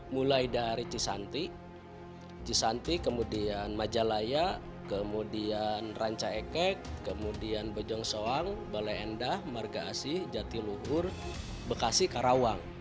mulai dari cisanti cisanti kemudian majalaya kemudian ranca ekek kemudian bejong soang balai endah marga asih jatiluhur bekasi karawang